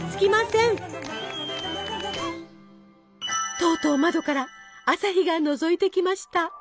とうとう窓から朝日がのぞいてきました。